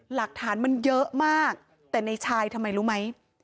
หลักฐานมันเยอะมากแต่ในชายทำไมรู้ไหม